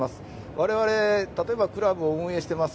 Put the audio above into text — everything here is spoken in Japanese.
我々、例えばクラブを運営しています。